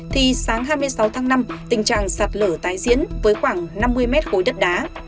thì sáng hai mươi sáu tháng năm tình trạng sạt lở tái diễn với khoảng năm mươi mét khối đất đá